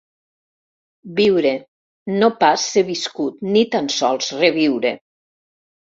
Viure, no pas ser viscut ni tan sols reviure.